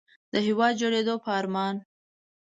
د هېواد د جوړېدو په ارمان.